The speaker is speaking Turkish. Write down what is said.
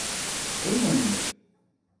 Oyun oynayalım.